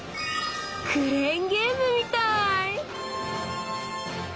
クレーンゲームみたい！